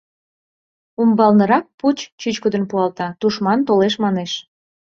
Умбалнырак пуч чӱчкыдын пуалта: тушман толеш, манеш.